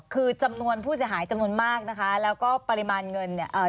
คือจำนวนผู้เสียหายจำนวนมากนะคะแล้วก็ปริมาณเงินเนี่ยเอ่อ